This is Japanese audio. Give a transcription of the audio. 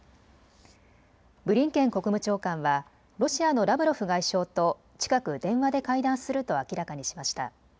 ブリンケン国務長官はロシアのラブロフ外相と近く電話で会談すると明らかにしました。